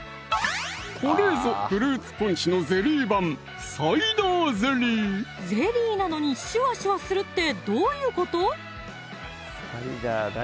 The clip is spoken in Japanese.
これぞフルーツポンチのゼリー版ゼリーなのにシュワシュワするってどういうこと？